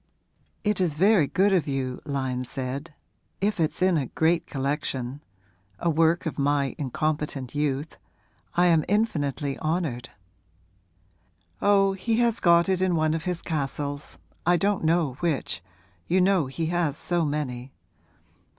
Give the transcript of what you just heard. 'It is very good of you,' Lyon said. 'If it's in a great collection a work of my incompetent youth I am infinitely honoured.' 'Oh, he has got it in one of his castles; I don't know which you know he has so many.